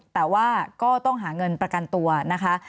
แต่ว่าก็ต้องหาเงินประกันตัวนะคะ